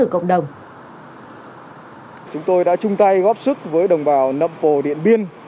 chúng tôi đã chung tay góp sức với đồng bào nậm pồ điện biên